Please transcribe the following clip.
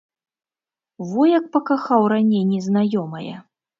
Во як пакахаў раней незнаёмае.